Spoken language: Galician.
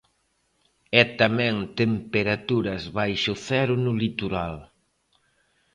E tamén temperaturas baixo cero no litoral.